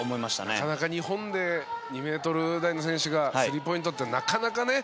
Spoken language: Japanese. なかなか日本で２メートル台の選手がスリーポイントってなかなかね。